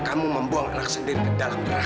kamu tidak boleh melewati amira